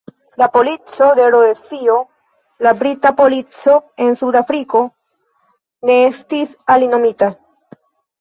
La polico de Rodezio, la Brita Polico en Suda Afriko, ne estis alinomita.